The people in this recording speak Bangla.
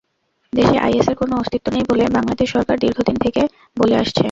দেশে আইএসের কোনো অস্তিত্ব নেই বলে বাংলাদেশ সরকার দীর্ঘদিন থেকে বলে আসছে।